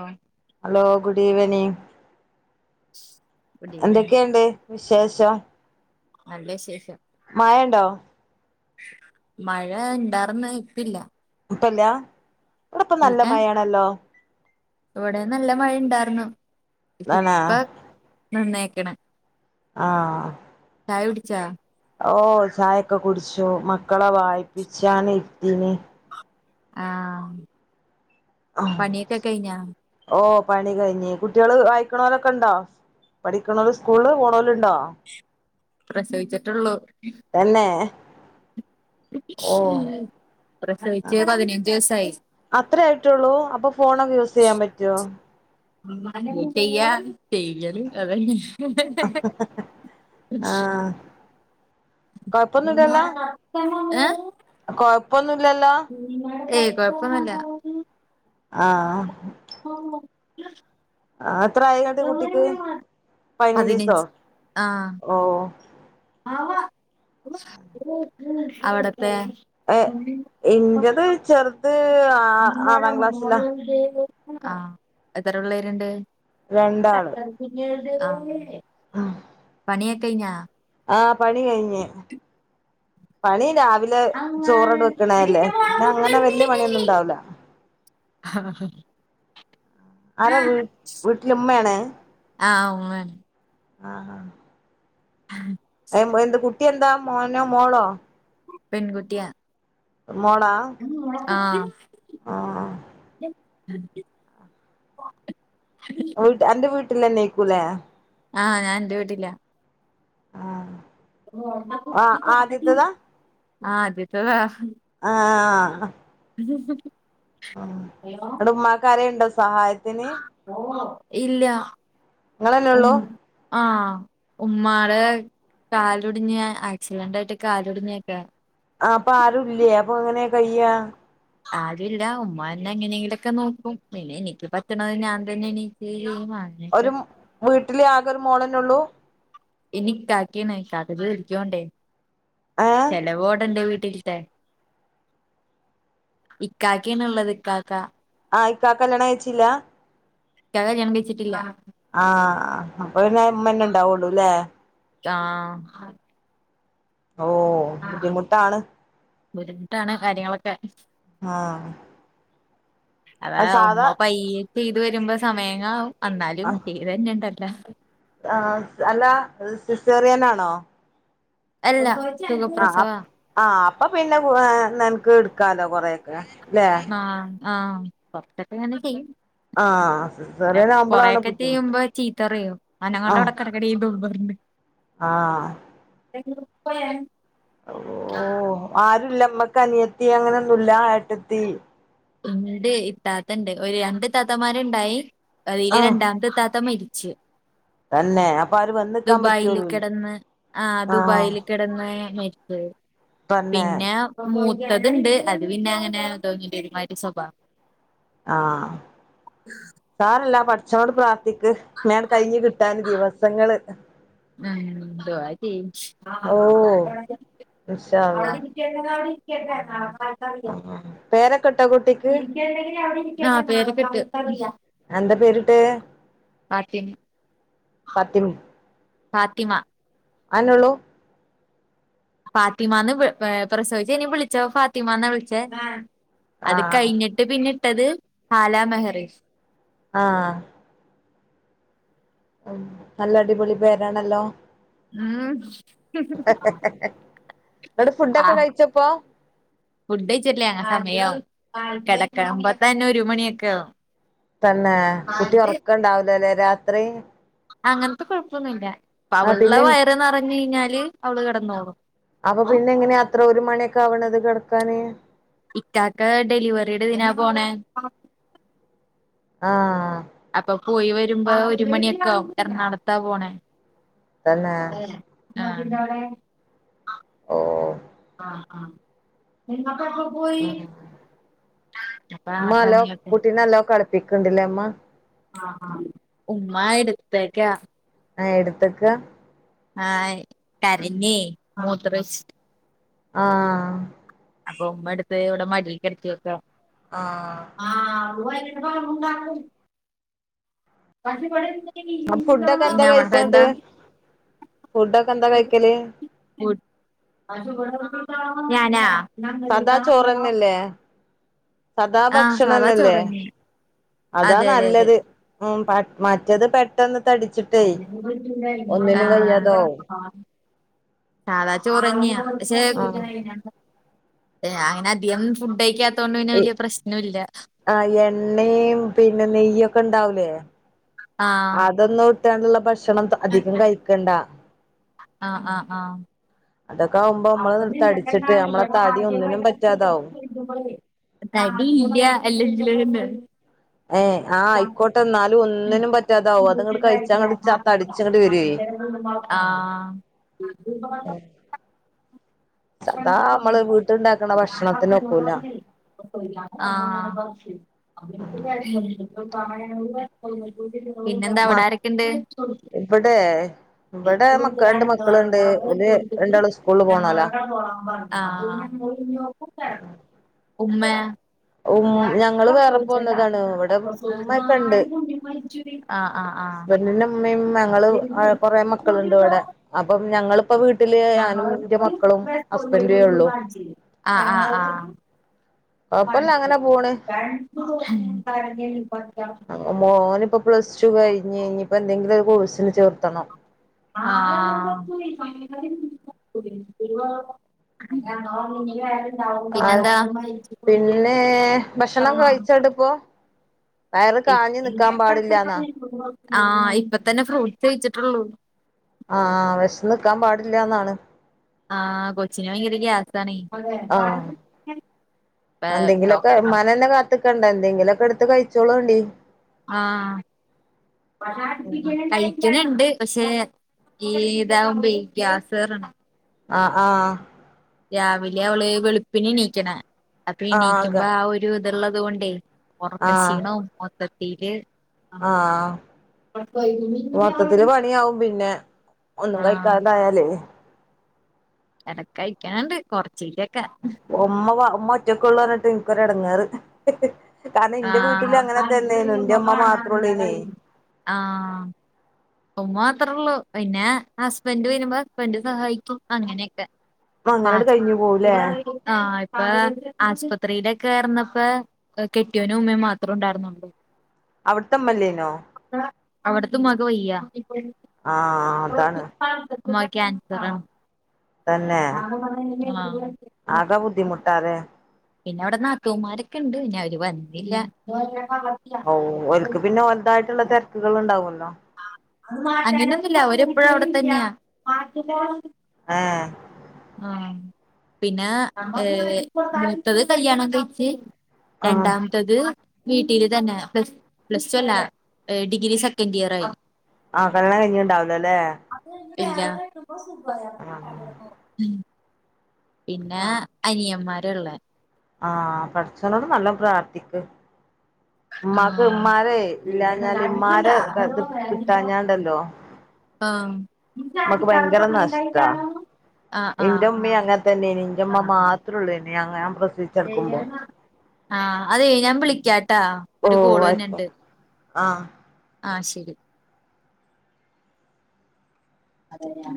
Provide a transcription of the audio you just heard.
ആ hello good evening good evening എന്തൊക്കെയുണ്ട് വിശേഷം നല്ല വിശേഷം മഴയുണ്ടോ മഴ ഇണ്ടാർന്ന് ഇപ്പില്ല ഇപ്പല്ല ഇവിടെ ഇപ്പ നല്ല പിന്നെ മഴയാണല്ലോ ഇവിടെ നല്ല മഴയ ഇണ്ടായിരുന്നു ആണോ നിന്നേ കണ്ണ് [unintelligible] ആ ചായ കുടിച്ചോ ഓ ചായയൊക്കെ കുടിച്ചു മക്കളെ വായിപ്പിച്ചാണ് ഇരിത്തീനി ആ പണിയക്കെ കഴിഞ്ഞേ ഓ പണി കഴിഞ്ഞഞ് കുട്ടികള് വായിക്കണോരൊക്കെ ഉണ്ടോ പഠിക്കണല് സ്കൂള് പോണല ഇണ്ടോ പ്രസവിച്ചിട്ടുള്ളൂ തന്നെ ഓ പ്രസവിച്ച് പതിനഞ്ച് ദിവസമായി അത്ര ആയിട്ടള്ളൂ അപ്പൊ ഫോണൊക്കെ യൂസ് ചെയ്യാൻ പറ്റേ ചെയ്യ ചെയ്യല് അത [unintelligible] ആഹ് [inaudible] [inaudible] കുഴപ്പന്നു ഏയ് കൊഴപ്പൊന്നുല്ല ആ [inaudible] ആ എത്ര ആയി കുട്ടിക്ക് പതിനഞ്ച് ദിവസോ ഓ ആ അവിടെ ഏ ഇന്റത് ചെറു ആ എത്രപിള്ളേരുണ്ട് രണ്ടാള് ആ ആ പണിയൊക്കെ കഴിഞ്ഞോക ആ പണി കഴിഞ്ഞ് പണി രാവ രാവിലെ അമ്മ ചോറോട് എടി വെക്കണല്ലേ എന്റെ മോളെ പിന്നെ കുപ്പി അങ്ങനെ വല്യ പണിയൊന്നും എടുത്തേക്ക്. ഇണ്ടാവുല ആ ആരാ വീ വീട്ടില ഉമ്മയാണ് ആഹ് ഉമ്മയാണ് ആ ആ എന്ത് കുട്ടി എന്താ മോനോ മോളോ പെൺകുട്ടിയ മോള ആ ആ മം അന്റെ വീട്ടിലെ നെയക്കൂലെ ആ ഞാൻ എന്റെ വീട്ടില ആ ആ ആദ്യത്തതാ ആ [inaudible] അ ഹലോ ഇവടെ ഉമ്മാക്കാരേണ്ടോ സഹായത്തിന് ഓ ഇല്ല ങ്ങെളെന്നൊള്ളു ആ ഉമ്മാടെ കാലോടിഞ് ആക്സിഡന്റായിട്ട് കാലൊടിഞ്ഞേക്ക കയ്യോ - ആരുല്ല ഉമ്മന്നെ എങ്ങനെയെങ്കിലൊക്കെ നോക്കും പിന്നെ എനിക്ക് പറ്റണ ഞാൻ തന്നെ എണീച്ച് [unintelligible] ട്ടില് ആകെ ഒരു മോളന്നൊള്ളൂ ഇനി ക്കാക്കേണ് കാക്കക്ക് ജോലിക്കോണ്ടേ ഏഹ് ചെലവോടെ എന്റെ വീട്ടിൽ ഇക്കാക്കാണ് ള്ളത് ഇക്കാക്ക ആ ഇക്കക്കല്യാണം കയ്ച്ചില്ല ഇക്കാക്ക കല്യാണം കഴിച്ചിട്ടില്ല ആ അപ്പൊ പിന്നെ മ്മന്നെ ണ്ടാവള്ളൂല്ലേ ആ ഓ ബുദ്ധിമുട്ടാണ് ബുദ്ധിമുട്ടാണ് കാര്യങ്ങളൊക്കെ ആഹ് അതാ അത് ഉമ്മ സാധാ പയ്യെ ചെയ്ത് വരുമ്പോ സമയങ്ങളാവും എന്നാലും ചെയ്ത് തര്ണ്ടല്ലോ ആ അല്ല സിസേറിയനാണോ അല്ല ആ സുഖപ്രസവാ ആ് അപ്പൊ പിന്നെ നിനക്ക് ഇട്ക്കാലോ കൊറെക്കെ ആ ആ കൊറച്ചൊക്കെ ങ്ങനെ ചെയ്യും ആഹ് പിന്നെ സിസേറിയനാവുമ്പളാണ് കൊറൊക്കെ ബുദ്ധിമുട്ട് ചെയ്യുമ്പോ ചീത്തറിയും അനങ്ങാണ്ടവിടെ കെടക്കെടി ന്നും പറഞ് [unintelligible] ആ [unintelligible] ഓ ആരുല്ലമ്മക്ക് അനിയത്തി അങ്ങനൊന്നുല്ല ഏട്ടത്തി ഇണ്ട് ഇത്താത്തണ്ട് ഒരു രണ്ട് താത്തമാര്ണ്ടായി അയില് ആഹ് രണ്ടാമത്തെ ഇത്താത്ത മരി ച്ച് തന്നെ അപ്പൊ ആര് വന്ന്ക്കാൻ ദുബായിൽ പറ്റൂലല്ലോ കെടന്ന് ആ ആഹ് ദുബായിൽ കെടന്ന് തന്നെ പിന്നെപ്പംമൂത് തുണ്ട് അത് പിന്നെ അങ്ങനെ അതെ ഒരുമാതിരി സ്വഭാവാ ആ സാരല്ല പടച്ചോനോട് പ്രാർഥി ക്ക് മേങ്ങട് കഴിഞ്ഞു കിട്ടൻ ദിവസങ്ങള് ഉംദുആ ചെയ്യ് ഓഹ് ഇൻഷാ അള്ളാ അവിടെരിക്ക പേരൊക്കെ ഇട്ടോ കുട്ടിക്ക് അവിടെക്ക [unintelligible] എന്ത പേര്ട്ടെ? ഫാത്തിമ ഫാത്തിമ ഫാത്തിമ അനുള്ളൂ ഫാത്തിമന്ന് പ്രസവിച്ച ഇനി വിളിച്ചോ ഫാത്തിമന്ന വിളിച്ചേ അത് ആഹ് കഴിഞ്ഞിട്ട് പിന്നെ ഇട്ടത് ഹാലാ മെഹറി ആഹ് ഉം നല്ല അടിപൊളി പേരാണല്ലോ ഉം ന്നട്ട് ഫുഡൊക്കെ ആഹ് കഴിച്ചപ്പോ ഫുഡച്ചല്ലേ സമയംആവും ആഹ് കിടക്കുമ്പത്തന്നെ ഒരു മണിയൊക്കെ ആവും തന്നെ കുട്ടി ഉറക്കണ്ടാവലല്ലേ രാത്രി അങ്ങൻത്തെ കൊഴപ്പൊന്നുല്ലപ്പ ആ അവളുടെ പിന്നെ വയറ് നിറഞ്ഞഞ് കഴിഞ്ഞാല് അവള് കിടന്നോളും. അപ്പൊ പിന്നെ എങ്ങനെയാ അത്ര ഒരു മണിയൊക്കെ ആവണത് കിടക്കാന്. ഇക്കക്കെ ഡെലിവറിയുടെ ദിനാ പോണേ ആഹ് അപ്പൊ പോയി വരുമ്പോ ഒരു മണിയക്കെ ആവും എറണാകുളത്താ പോണേ തന്നെ എന്തടെ ഓഹ് ആഹ ആഹ് സപ്പ പോ ഉം കപ്പസ [unintelligible] പ്പിക്കണ്ടില്ലേ അമ്മ ആഹ ഉമ്മ എടുത്തേക്കാ ആഹ എടുത്തക്ക? ആഹ് കരഞ്ഞേ മൂത്രയിച്ചിട്ട് ആഹ് അപ്പൊ ഉമ്മ എടുത്തു ഇവിടെ മടി കിടത്തി വെക്ക ആഹ് [unintelligible] [unintelligible] അ ഫുഡൊക്കെ എന്താ കഴിച്ചങ്ങട്ട് ഫുഡൊക്കെ എന്താ കഴിക്കല്? [inaudible] ഞാനാ സദാ ആഹ് സാദാ സദാഭക്ഷണംനല്ലേ? ചോറന്നെ അതാ അതെ അതെ അതെ നല്ലത് ഉം മറ്റത് പെട്ടെന്ന് തടിച്ചിട്ടേ [inaudible] ഒന്നിനും കയ്യാതാവും ആഹ് സാദാചോറെനയ പക്ഷെ ആഹ് [unintelligible] ഞാൻ അധികം ഫുഡക്ക ആ എണ്ണയും പിന്നെ നെയ്യൊക്കെ ഉണ്ടാവൂലേ? ആഹ് അതൊന്നും ഇട്ടാണ്ടുള്ള ഭക്ഷണം അധികം കഴിക്കണ്ട. ആഹ ആഹ ആഹ. അതൊക്കെ ആവുമ്പോ നമ്മളെ അപ്പൊപിന്ന തടിച്ചിട്ട് നമ്മളെ തടി ഒന്നിനും പറ്റാതാവും [unintelligible] തടിയില്ല [unintelligible] ഏ ആയിക്കോട്ടെ ന്നാലും ഒന്നിനും പറ്റാതാവു അത് ഇങ്ങട്ട ഉണ്ടായിട്ടില്ല കഴിച്ചാങ്ങട്ട് തടിച്ച്ങ്ങട്ട് വരുവേ. ആഹ് [inaudible] സദാ നമ്മള് വീട്ടുണ്ടാക്കണ ഭക്ഷണത്തിന ഒക്കൂല്ല ആഹ് പിന്നെന്താ അവിട മ ആരക്കെ ഇണ്ട് ഇവിടെ ഇവിടെ മക്ക രണ്ട് മക്കളുണ്ട് ഓല് രണ്ടാളും സ്കൂളിൽ പോണോലാ [unintelligible] ആഹ് ഉമ് ഞങ്ങള് വേറെ പോന്നതാണ് ഇവിടെ ചോദിച്ചു ഉമ്മക്കേണ്ട് മാറി ആഹ് ആഹ് പെണ്ണിന്റെ ഉമ്മയും ഞങ്ങള്ള് ആഹ് കൊറെേ മക്കളുണ്ട് ഒരു ഇവിടെ അപ്പം ഞങ്ങള്ള് ഇപ്പൊ വീട്ടില് ഞാനും ഞങ്ങളത് എന്റെ മക്കളും ബസ് ഹസ്ബൻഡേ കോഴിവട്ടിലൊന്ന് ഉള്ളൂ കാണിച്ചില്ലേ ഹും ഓനിപ്പം പ്ലസ് ടു കഴിഞ്ഞ് ഇനിപ്പോ എന്തെങ്കിലും ഒരു കോഴ്സിന് ചേർത്തണം ആഹ് അയ്യോ ആ പിന്നന്താ പിന്നെ ഭക്ഷണം കഴിച്ചോടി ഇപ്പോ വയറ് കാഞ്ഞ് നിക്കാൻ പാടില്ലാന്നാ ആഹ് ഇപ്പ തന്നെ ഫ്രൂട്ട്സ് കഴിച്ചിട്ടുള്ളൂ ആഹ് വിശന്ന് നിക്കാൻ പാടില്ലന്നാണ് ആഹ് കൊച്ചിനു ഭയങ്കര ഗ്യാസ്സാണേ ആഹ് ഡോക്റ്റ എക്കണ്ട എന്തെങ്കിലൊക്കെ എടുത് കഴിച്ചോളോണ്ടി ആഹ് കഴിക്കണ്ണ്ണ്ട് പക്ഷെ ഈ ഇതാവുമ്പ ഈ ഗ്യാസ് കെറണ് അഹ് ആഹ് രാവിലെ അവള് വെളുപ്പിന് എനീക്കണ അപ്പൊ ആഹ് എണീക്കുമ്പോ ആ ഒരു ഇത്ളളത് കൊണ്ട് ഒറക്ക ക്ഷീണവും മൊത്തത്തീൽ ആ മൊത്തത്തിൽ പണിയാവും പിന്നെ ഒന്നും കഴിക്കാണ്ടായാലേ എടക്ക് കഴിക്കാനുണ്ട് കൊറച്ചക്കേ ഉമ്മ ഉമ്മ ഒറ്റക്കെ ഉള്ളു പറഞ്ഞിട്ട് എനിക്കൊരു ഇടങ്ങേർ ആഹ് ഉമ്മ മാത്രള്ളേനേ ആഹ് ഉമ്മ മാത്രേള്ളു പിന്നെ ഹസ്ബൻഡ് വരുമ്പോ ഹസ്ബൻഡ് സഹായിക്കും അങ്ങനെക്കെ അങ്ങനെട് പാച്ച് കഴിഞ്ഞു പോവുലേ ആഹ് അപ്പ ആസ്പത്രിയിലക്കെ ർനപേ കെട്ടിയോനും ഉമ്മയും മാത്രം ഉണ്ടായിരുന്നുള്ളൂ അവിടത്തുമ്മല്ലേനോ അവിടത്തെ ഉമ്മാക്ക് വയ്യാ ആഹ് അതാണ് ഉമ്മാക്ക് ക്യാൻസറാണ് തന്നെ ആഹ് ആകെ ബുദ്ധിമുട്ടാലെ പിന്നെ അവിടെ നാത്തൂന്മാരൊക്കെ ഇണ്ട് പിന്നെ അവര് വനീലാ ഓഹ് ഒർക്ക് പിന്നെ ഓരതായിട്ടുള്ള തിരക്കുകൾ ഉണ്ടാവല്ലോ അങ്ങനെയൊന്നില്ല ഓവരേപ്പഴും അവിടെ തന്നയാ ആഹ് ആഹ് പിന്നെ ഏ മൂത്തത് കല്യാണം കഴിച്ച് ആഹ് രണ്ടാമത്തത് വീട്ടില് തന്നെ പ്ലസ് പ്ലസ് ടു അല്ല ഡിഗ്രി സെക്കൻഡിയർ ആയി ആഹ് കല്ണം കഴഞ്ഞുണ്ടാവല്ലല്ലേ ഇല്ല പിന്നെ അനിയന്മാരള്ളേ ആഹ് പടച്ചോനോട് നല്ല പ്രാർത്ഥിക്ക് ഉമ്മാക്ക് ആഹ് ഉമ്മാരെ പിന്നെല്ലണ്ട ഇല്ലാഞ്ഞാല് അടിക്കണ്ട ഉമ്മാരെ [unintelligible] ഇത് കിട്ടാഞ്ഞാണ്ടല്ലോ ആ ഇന്റെമ്മീം അങ്ങെൻത്തെന്നേനീ ഇന്റെമ്മ ആഹ് മാത്രോള്ളയ്നീ ഞാൻ പ്രസവിച്ചു കെടക്കുമ്പോ ആ അതയ് ഞാൻ വിളിക്കാട്ടോ ഓ ഒരു കോളു വര്ണ് ണ്ട് ആയിക്കോട്ടെ ആഹ് ആ ശെരി അതാരാ